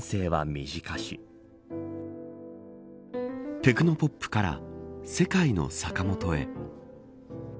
テクノポップから世界のサカモトへ。